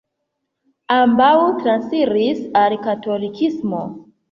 Ambaŭ transiris al katolikismo.